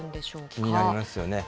気になりますよね。